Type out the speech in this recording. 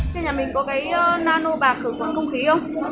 thế nhà mình có cái nano bạc khử khuẩn không khí không